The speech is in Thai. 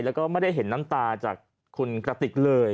แล้วก็ไม่ได้เห็นน้ำตาจากคุณกระติกเลย